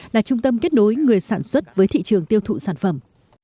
là trung tâm kết nối người sản xuất với thị trường tiêu thụ sản phẩm